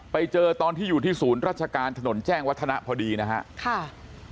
ไปเจอตอนที่อยู่ที่ศูนย์ราชการถนนแจ้งวัฒนะพอดีนะครับ